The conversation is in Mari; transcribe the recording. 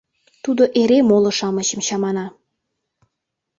Тудо эре моло-шамычым чамана!